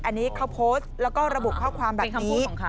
อันนี้เขาโพสต์แล้วก็ระบุข้อความแบบนี้